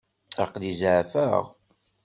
Aql-i zeεfeɣ.